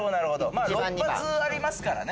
まぁ６発ありますからね。